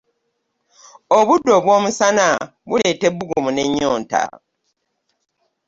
Obudde obw'omusa buleeta ebbugumu n'ennyonta.